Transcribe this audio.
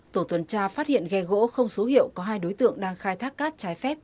tổ tuần tra phát hiện ghe gỗ không số hiệu có hai đối tượng đang khai thác cát trái phép